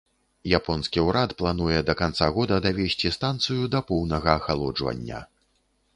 Японскі ўрад плануе да канца года давесці станцыю да поўнага ахалоджвання.